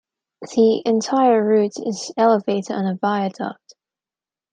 The entire route is elevated on a viaduct.